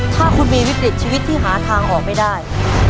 ถ้าคุณมีวิกฤตชีวิตที่หาทางออกไม่ได้